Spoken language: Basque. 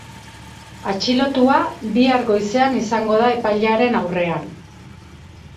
Atxilotua, bihar goizean izango da epailearen aurrean.